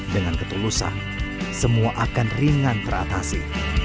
dengan ketulusan semua akan ringan teratasi